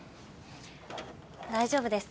大丈夫です。